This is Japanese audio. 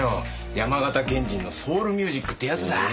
山形県人のソウルミュージックってやつだ。